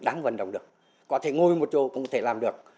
đáng vận động được có thể ngồi một chỗ cũng có thể làm được